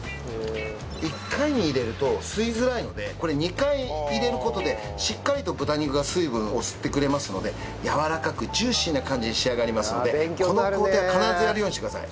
１回に入れると吸いづらいのでこれ２回入れる事でしっかりと豚肉が水分を吸ってくれますのでやわらかくジューシーな感じに仕上がりますのでこの工程は必ずやるようにしてください。